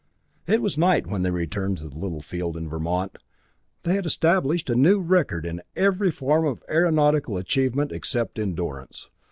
It was night when they returned to the little field in Vermont. They had established a new record in every form of aeronautical achievement except endurance!